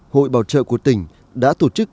hội bảo trợ của tỉnh đã tổ chức